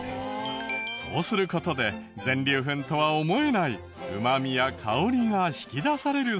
そうする事で全粒粉とは思えないうまみや香りが引き出されるそう。